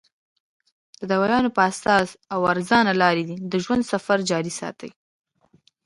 د دوايانو پۀ اسانه او ارزانه لار دې د ژوند سفر جاري ساتي -